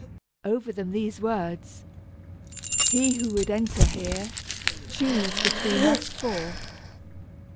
Over them these words: "He who would enter here, choose between us four."